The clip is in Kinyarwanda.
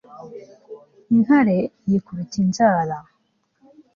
intare iyikubita inzara